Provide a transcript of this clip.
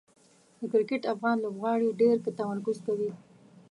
د کرکټ افغان لوبغاړي ډېر تمرکز کوي.